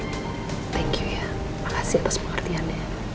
thank you ya makasih atas pengertiannya